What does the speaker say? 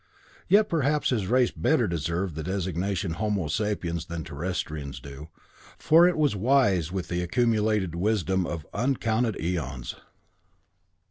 Yet perhaps his race better deserved the designation homo sapiens than Terrestrians do, for it was wise with the accumulated wisdom of uncounted eons.